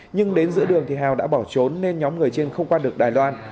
nhưng đến giữa đường thì hào đã bỏ trốn nên nhóm người trên không qua được đài loan